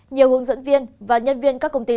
nhiều hướng dẫn viên và nhân viên các công ty